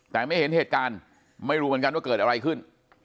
แต่ไม่เห็นเหตุการณ์ไม่รู้เหมือนกันว่าเกิดอะไรขึ้น